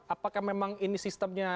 apakah memang ini sistemnya